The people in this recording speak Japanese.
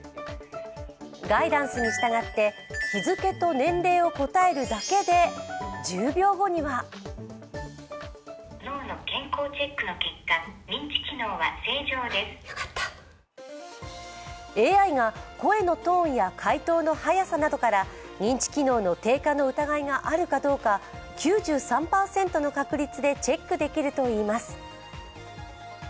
ガイダンスに従って、日付と年齢を答えるだけで１０秒後にはＡＩが声のトーンや回答の早さなどから、認知機能の低下の疑いがあるかどうか、９３％の確率でチェックできるといいます。